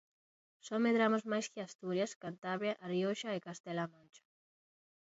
Só medramos máis que Asturias, Cantabria, A Rioxa e Castela-A Mancha.